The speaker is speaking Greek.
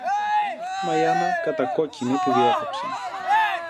Μα η Άννα, κατακόκκινη, τη διέκοψε.